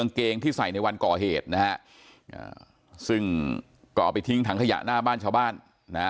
เกงที่ใส่ในวันก่อเหตุนะฮะซึ่งก็เอาไปทิ้งถังขยะหน้าบ้านชาวบ้านนะฮะ